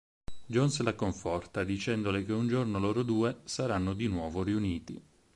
Jones la conforta dicendole che un giorno loro due saranno di nuovo riuniti.